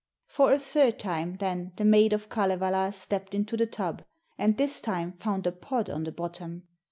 'For a third time, then, the maid of Kalevala stepped into the tub, and this time found a pod on the bottom.